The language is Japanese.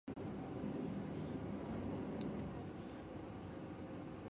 罪人と書いてつみんちゅと読む